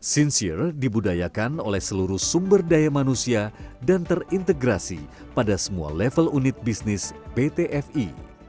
sincir dibudayakan oleh seluruh sumber daya manusia dan terintegrasi pada semua level unit bisnis pt fi